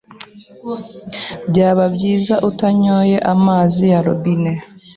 Byaba byiza utanyoye amazi ya robine.